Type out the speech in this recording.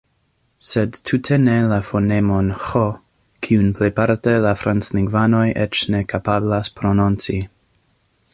Sed tute ne la fonemon Ĥ, kiun plejparte la franclingvanoj eĉ ne kapablas prononci.